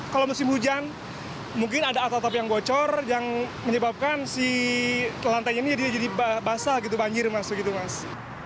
kalau musim hujan mungkin ada atap atap yang bocor yang menyebabkan si lantainya ini jadi basah gitu banjir mas